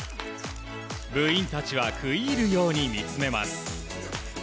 部員たちは食い入るように見つめます。